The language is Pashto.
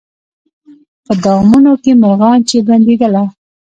په دامونو کي مرغان چي بندېدله